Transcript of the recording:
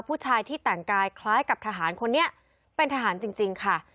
ผู้ชายที่แต่งกายคล้ายกับทหารคนนี้เป็นทหารจริงค่ะ